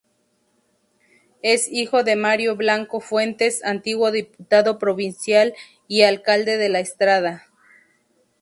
Es hijo de Mario Blanco Fuentes, antiguo diputado provincial y alcalde de La Estrada.